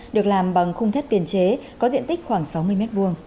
được làm bằng khung thép tiền chế có diện tích khoảng sáu mươi m hai